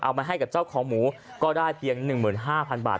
มาให้กับเจ้าของหมูก็ได้เพียง๑๕๐๐๐บาท